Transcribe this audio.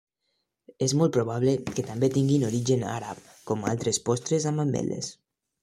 És molt probable que també tinguin origen àrab com altres postres amb ametlles.